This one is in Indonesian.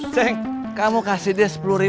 ceng kamu kasih dia rp sepuluh rp dua puluh